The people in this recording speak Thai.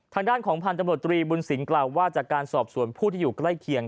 ทางด้านของพันธบรตรีบุญศิลปกล่าวว่าจากการสอบสวนผู้ที่อยู่ใกล้เคียง